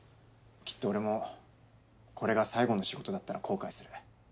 きっと俺もこれが最後の仕事だったら後悔する。